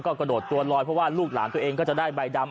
กระโดดตัวลอยเพราะว่าลูกหลานตัวเองก็จะได้ใบดำ